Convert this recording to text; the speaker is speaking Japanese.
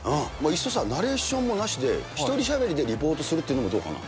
いっそさ、ナレーションもなしで、１人しゃべりでリポートするっていうのもどうかな。